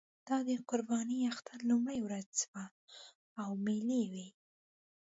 دا د قربانۍ اختر لومړۍ ورځ وه او مېلې وې.